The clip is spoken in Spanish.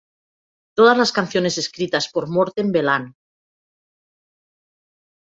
Todas las canciones escritas por Morten Veland.